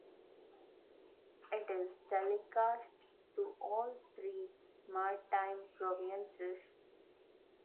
It is telecast to all three Maritime provinces.